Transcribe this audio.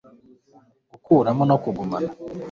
gukuramo no kugumana